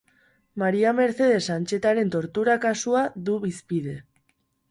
Maria Mercedes Antxetaren tortura kasua du hizpide.